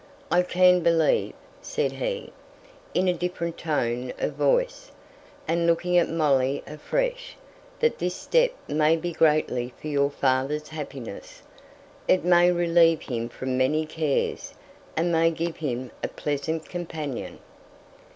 .. I can believe," said he, in a different tone of voice, and looking at Molly afresh, "that this step may be greatly for your father's happiness it may relieve him from many cares, and may give him a pleasant companion."